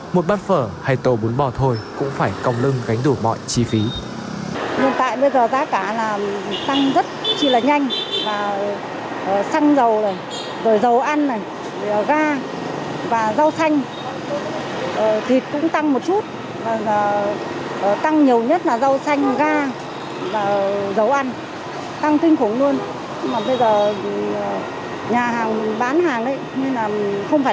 một bát phở hay tổ bún bò thôi cũng phải còng lưng gánh đủ mọi chi phí